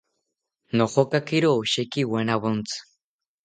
Nojokakiro osheki wanawontzi